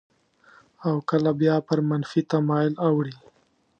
او کله بیا پر منفي تمایل اوړي.